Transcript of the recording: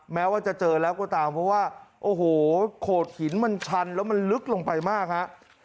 แม้ว่าจะเจอแล้วก็ตามเพราะว่าโอ้โหโขดหินมันชันแล้วมันลึกลงไปมากฮะ